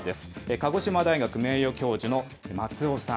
鹿児島大学名誉教授の松尾さん。